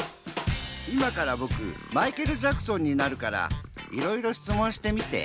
いまからぼくマイケル・ジャクソンになるからいろいろしつもんしてみて。